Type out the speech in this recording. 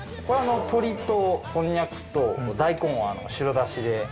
これは鶏とこんにゃくと大根を白だしで。